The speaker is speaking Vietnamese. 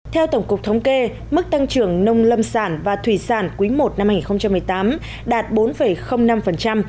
theo tổng cục thống kê mức tăng trưởng nông lâm sản và thủy sản quý i năm hai nghìn một mươi tám đạt bốn năm